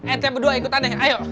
eh teh berdua ikut ayo